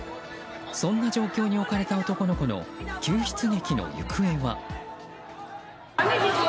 そんな状況に置かれた男の子の救出劇の行方は。